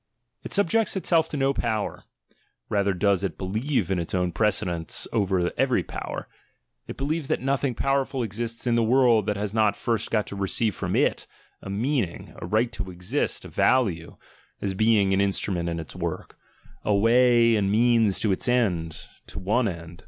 ; it subjects itself to no power, rather does it believe in its own precedence over every power— it believes that nothing powerful exists in the world that has not first got to receive from "it" a meaning, a right to exist, a value, as being an instrument in its work, a way and means to its end, to one end.